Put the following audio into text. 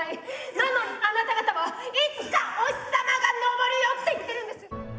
なのにあなた方は「いつかお日さまが昇るよ」って言ってるんです！